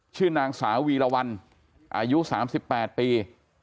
ชื่อนางสาวีลวัลอายุสามสิบแปดปี